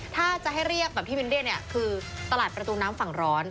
ถ้าจะให้เรียกแบบที่มินเรียกเนี่ยคือตลาดประตูน้ำฝั่งร้อน